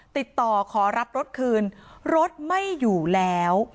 ติดต่อขอรับรถคืนรถไม่อยู่แล้ว